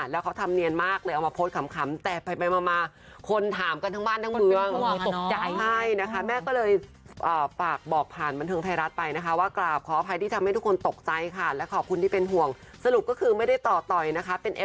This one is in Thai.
อ๋อแล้วก็แต่งขึ้นปากุ้งสมเหมือนมาก